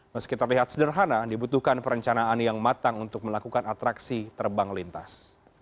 meski terlihat sederhana dibutuhkan perencanaan yang matang untuk melakukan atraksi terbang lintas